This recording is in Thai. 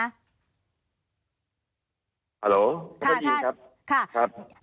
ฮัลโหลครับท่าน